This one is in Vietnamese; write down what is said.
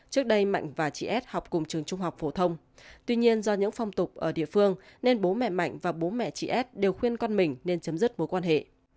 trước đây mạnh và chị ad học cùng trường trung học phổ thông tuy nhiên do những phong tục ở địa phương nên bố mẹ mạnh và bố mẹ chị s đều khuyên con mình nên chấm dứt mối quan hệ